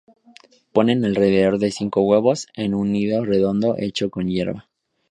Ponen alrededor de cinco huevos en un nido redondo hecho con hierba.